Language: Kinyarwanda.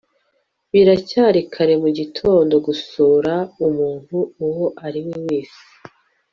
biracyari kare mugitondo gusura umuntu uwo ari we wese